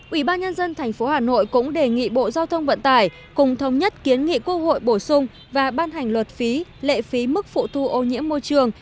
ubnd tp hà nội cũng đề nghị bộ giao thông vận tải cùng thống nhất kiến nghị quốc hội bổ sung và ban hành luật phí lệ phí mức phụ thu ô nhiễm môi trường